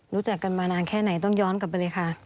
รู้จักกันมานานแค่ไหนต้องย้อนกลับไปเลยค่ะ